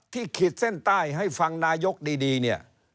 ที่ขิดเส้นใต้ให้ฟังนายกดี